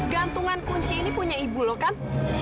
gantungan kunci ini punya ibu loh kan